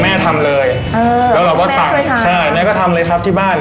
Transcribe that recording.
แม่ทำเลยเออแล้วเราก็สั่งแม่ช่วยทำใช่แม่ก็ทำเลยครับที่บ้าน